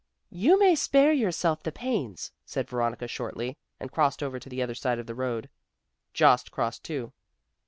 "You may spare yourself the pains," said Veronica shortly and crossed over to the other side of the road. Jost crossed too.